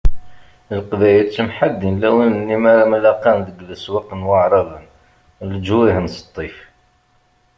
Leqbayel ttemḥaddin lawan-nni m'ara mmlaqan deg leswaq n Waεraben, leǧwayeh n Sṭif.